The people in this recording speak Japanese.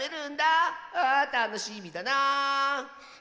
あたのしみだなあ。